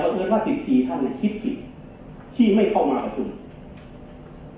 แต่เกิดว่าศิษย์ท่านคิดผิดที่ไม่เข้ามาประทุม